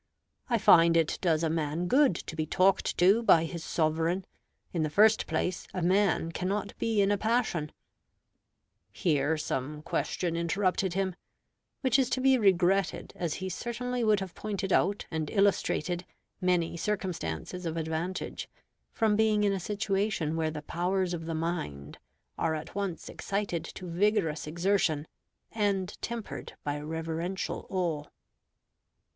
I find it does a man good to be talked to by his Sovereign. In the first place, a man cannot be in a passion " Here some question interrupted him; which is to be regretted, as he certainly would have pointed out and illustrated many circumstances of advantage, from being in a situation where the powers of the mind are at once excited to vigorous exertion and tempered by reverential awe.